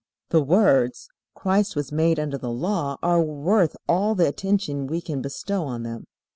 The words, "Christ was made under the law," are worth all the attention we can bestow on them.